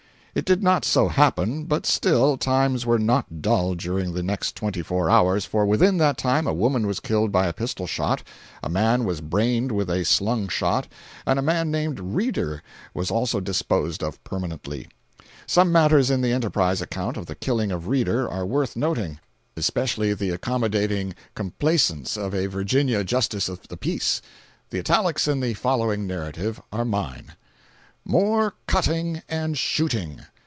It did not so happen, but still, times were not dull during the next twenty four hours, for within that time a woman was killed by a pistol shot, a man was brained with a slung shot, and a man named Reeder was also disposed of permanently. Some matters in the Enterprise account of the killing of Reeder are worth nothing—especially the accommodating complaisance of a Virginia justice of the peace. The italics in the following narrative are mine: MORE CUTTING AND SHOOTING.